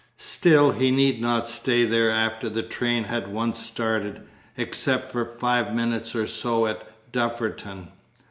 Still he need not stay there after the train had once started, except for five minutes or so at Dufferton.